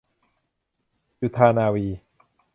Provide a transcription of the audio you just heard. จุฑานาวี